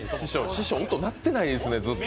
師匠、音鳴ってないですね、ずっと。